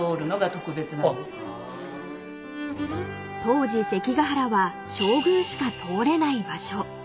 ［当時関ケ原は将軍しか通れない場所］